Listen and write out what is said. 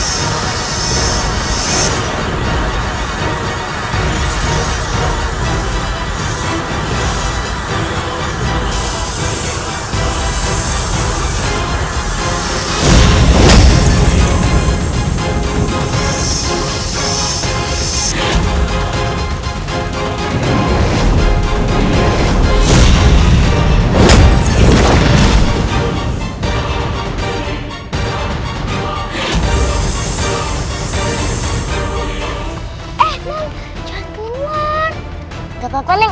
sini selamat menikmati